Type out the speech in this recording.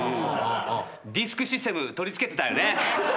ディスクシステム取り付けてたよね。